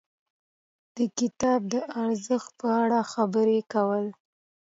د کتاب د ارزښت په اړه خبرې کول.